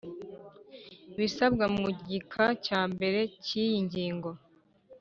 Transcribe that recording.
Ibisabwa mu gika cya mbere cy iyi ngingo